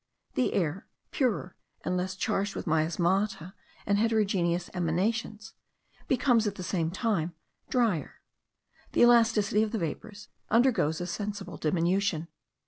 The air, purer and less charged with miasmata and heterogeneous emanations, becomes at the same time drier. The elasticity of the vapours undergoes a sensible diminution.